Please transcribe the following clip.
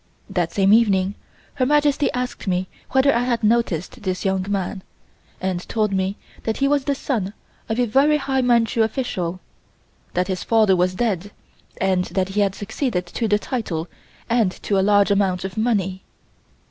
That same evening Her Majesty asked me whether I had noticed this young man, and told me that he was the son of a very high Manchu official; that his father was dead and that he had succeeded to the title and to a large amount of money.